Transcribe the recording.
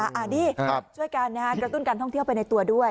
อันนี้ช่วยกันนะฮะกระตุ้นการท่องเที่ยวไปในตัวด้วย